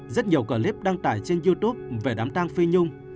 rất nhiều clip đăng tải trên youtube về đám tang phi nhung